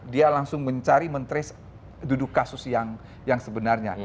dia langsung mencari mentres duduk kasus yang sebenarnya